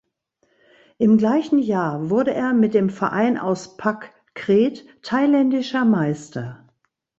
Im gleichen Jahr wurde er mit dem Verein aus Pak Kret thailändischer Meister.